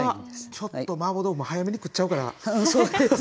ちょっと麻婆豆腐も早めに食っちゃうから。